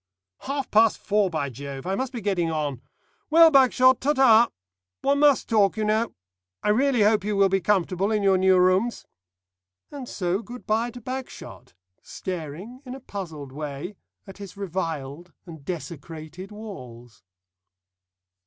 "Half past four, by Jove! I must be getting on. Well, Bagshot, ta ta. One must talk, you know. I really hope you will be comfortable in your new rooms." And so good bye to Bagshot, staring in a puzzled way at his reviled and desecrated walls.